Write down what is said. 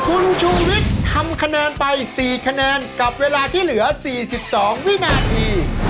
คุณชูวิทย์ทำคะแนนไป๔คะแนนกับเวลาที่เหลือ๔๒วินาที